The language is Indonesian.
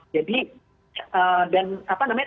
jadi dan apa namanya